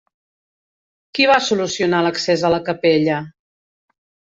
Qui va solucionar l'accés a la capella?